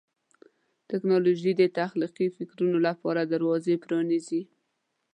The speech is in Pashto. ټیکنالوژي د تخلیقي فکرونو لپاره دروازې پرانیزي.